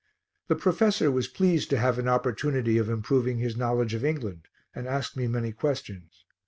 The professor was pleased to have an opportunity of improving his knowledge of England and asked me many questions.